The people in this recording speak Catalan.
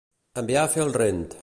Enviar a fer el rent.